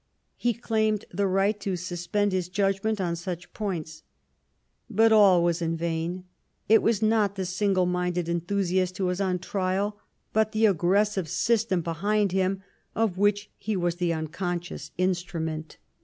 *' He claimed the right to suspend his judgment on such points. But all was in vain ; it was not the single minded enthusiast who was on trial, but the aggressive system behind him, of which he was the unconscious instrument.